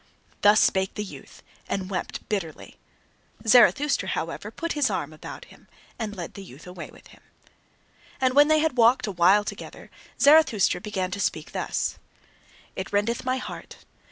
Thus spake the youth, and wept bitterly. Zarathustra, however, put his arm about him, and led the youth away with him. And when they had walked a while together, Zarathustra began to speak thus: It rendeth my heart.